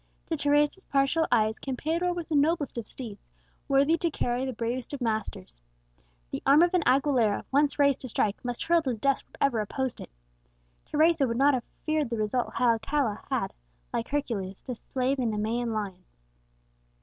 To Teresa's partial eyes Campeador was the noblest of steeds, worthy to carry the bravest of masters. The arm of an Aguilera, once raised to strike, must hurl to the dust whatever opposed it. Teresa would not have feared the result had Alcala had, like Hercules, to slay the Nemean lion.